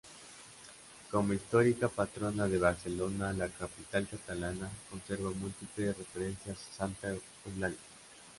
Como histórica patrona de Barcelona, la capital catalana conserva múltiples referencias a Santa Eulalia.